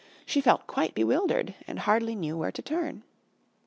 She felt quite bewildered and hardly knew where to turn.